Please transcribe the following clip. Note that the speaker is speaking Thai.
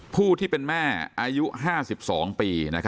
ผู้ที่เป็นแม่อายุ๕๒ปี